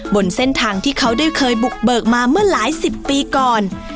บนเส้นทางที่เขาได้เคยบุกเบิกมาเมื่อหลายสิบปีก่อน